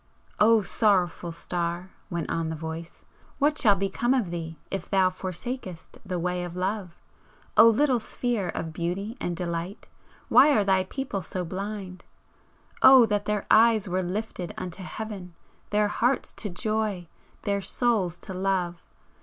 "O Sorrowful Star!" went on the Voice "What shall become of thee if thou forsakest the way of Love! O little Sphere of beauty and delight, why are thy people so blind! O that their eyes were lifted unto Heaven! their hearts to joy! their souls to love!